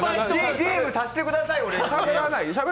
ゲームさせてください。